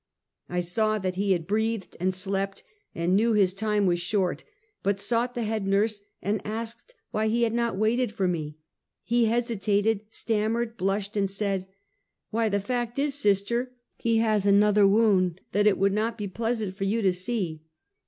I saw that he breathed and slept, and knew his time was short; but sought the head nurse, and asked why he had not waited for me; he hesitated, stammered, blushed and said: " Why, the fact is, sister, he has another wound that it would not be pleasant for you to see."